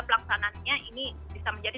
pelaksananya ini bisa menjadi